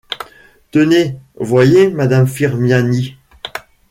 Tenez, voyez madame Firmiani.